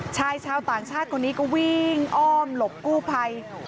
ชายชาวต่างชาติคนนี้ก็วิ่งอ้อมหลบกู้ภัย